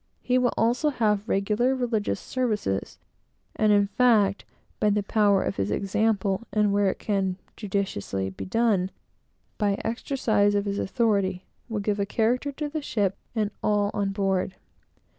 He will also have regular religious services; and, in fact, by the power of his example, and, where it can judiciously be done, by the exercise of his authority, will give a character to the ship and all on board.